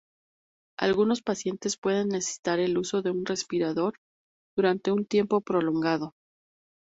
Algunos pacientes pueden necesitar el uso de un respirador durante un tiempo prolongado.